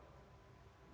yang berada di kota ini